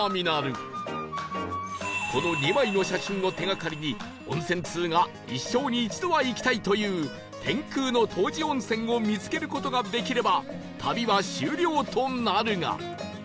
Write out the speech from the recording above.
この２枚の写真を手がかりに温泉通が一生に一度は行きたいという天空の湯治温泉を見つける事ができれば旅は終了となるが